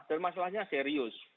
dan masalahnya serius